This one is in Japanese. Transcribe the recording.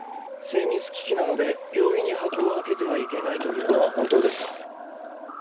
精密機器なので容易に箱を開けてはいけないというのは本当ですか？